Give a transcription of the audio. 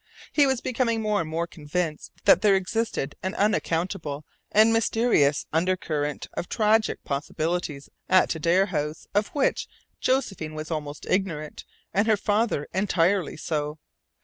He was becoming more and more convinced that there existed an unaccountable and mysterious undercurrent of tragic possibilities at Adare House of which Josephine was almost ignorant, and her father entirely so.